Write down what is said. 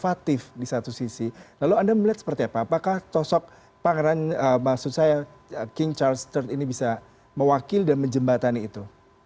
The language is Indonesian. di satu sisi lalu anda melihat seperti apa apakah sosok pangeran maksud saya king charles ii ini bisa mewakil dan menjembatani itu